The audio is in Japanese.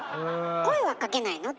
声はかけないの？